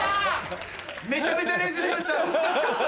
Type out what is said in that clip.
めちゃめちゃ練習しました！